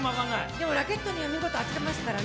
でもラケットには見事当ててましたからね。